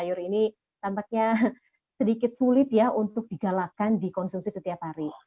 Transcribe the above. sayur ini tampaknya sedikit sulit ya untuk digalakkan dikonsumsi setiap hari